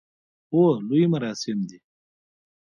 هو، لوی مراسم دی